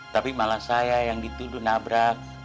tapi malah saya yang dituduh nabrak